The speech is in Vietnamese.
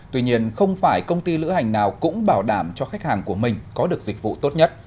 tuy nhiên không phải công ty lữ hành nào cũng bảo đảm cho khách hàng của mình có được dịch vụ tốt nhất